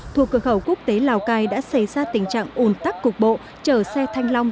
thuộc cửa khẩu quốc tế lào cai đã xây ra tình trạng ủn tắc cục bộ chở xe thanh long